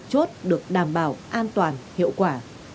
trực chốt được đảm bảo an toàn hiệu quả